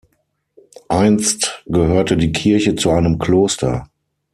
Einst gehörte die Kirche zu einem Kloster.